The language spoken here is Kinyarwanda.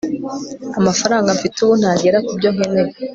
amafaranga mfite ubu ntagera kubyo nkeneye